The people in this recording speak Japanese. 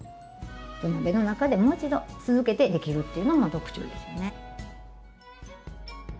土鍋の中でもう一度続けてできるっていうのも特徴ですね。